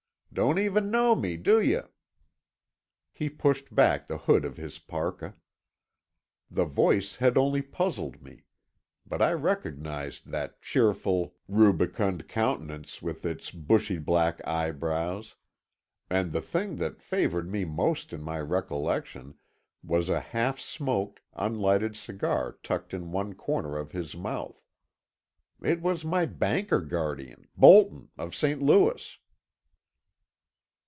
Don't even know me, do you?" He pushed back the hood of his parka. The voice had only puzzled me. But I recognized that cheerful, rubicund countenance with its bushy black eyebrows; and the thing that favored me most in my recollection was a half smoked, unlighted cigar tucked in one corner of his mouth. It was my banker guardian, Bolton of St. Louis.